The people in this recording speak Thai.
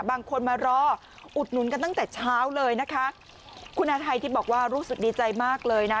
บางคนมารออุดหนุนกันตั้งแต่เช้าเลยนะคะคุณอาทัยทิพย์บอกว่ารู้สึกดีใจมากเลยนะ